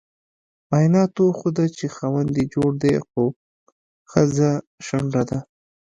معایناتو وخوده چې خاوند یي جوړ دې خو خځه شنډه ده